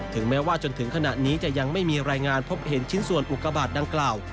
แม้ว่าจนถึงขณะนี้จะยังไม่มีรายงานพบเห็นชิ้นส่วนอุกบาทดังกล่าว